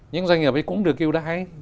những doanh nghiệp ấy cũng được yêu đại